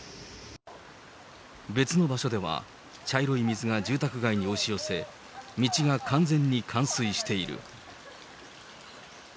別の場所では、茶色い水が住宅街に押し寄せ、道が完全に冠水している。